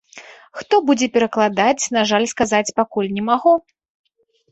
Хто будзе перакладаць, на жаль сказаць пакуль не магу.